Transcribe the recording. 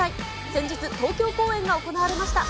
先日、東京公演が行われました。